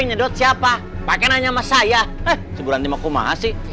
nyedot siapa pakai nanya mas saya eh seburanti maku mahasiswa